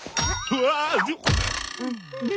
うわ！